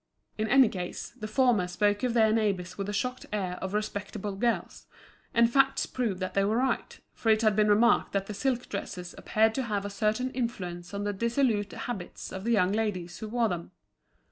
In any case, the former spoke of their neighbours with the shocked air of respectable girls; and facts proved that they were right, for it had been remarked that the silk dresses appeared to have a certain influence on the dissolute habits of the young ladies who wore them.